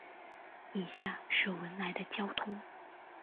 以下是文莱的交通